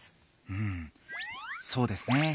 うんそうですね。